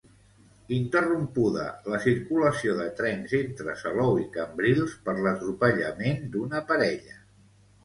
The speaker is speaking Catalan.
Interrompuda la circulació de trens entre Salou i Cambrils per l'atropellament d'una parella.